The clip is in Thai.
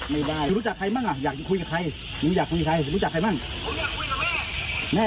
ไม่ได้กูรู้จักใครมั่งอ่ะอยากจะคุยกับใคร